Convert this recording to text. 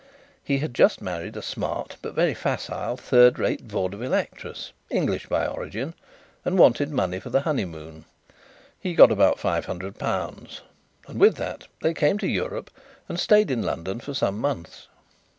He had just married a smart but very facile third rate vaudeville actress English by origin and wanted money for the honeymoon. He got about five hundred pounds, and with that they came to Europe and stayed in London for some months.